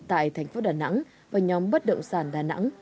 tại thành phố đà nẵng và nhóm bất động sản đà nẵng